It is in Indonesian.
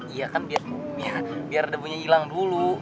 iya kan biar debunya hilang dulu